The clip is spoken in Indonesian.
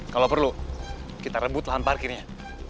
kalau perlu kita rebut lahan parkirnya